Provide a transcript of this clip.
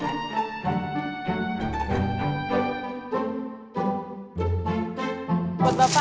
bantenya kotor ya